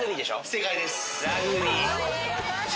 正解です。